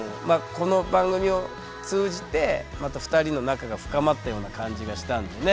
この番組を通じてまた２人の仲が深まったような感じがしたんでね。